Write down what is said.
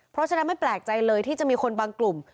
เพราะฉะนั้นไม่แปลกใจเลยที่จะมีคนบางกลุ่ม